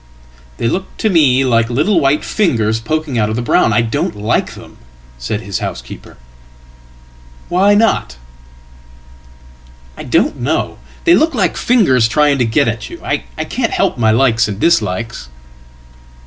""They look to me like little white fingers poking out of the brown," saidhis housekeeper. "I don't like them.""Why not?""I don't know. They look like fingers trying to get at you. I can't helpmy likes and dislikes.""